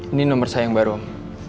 ini nomor saya yang baru om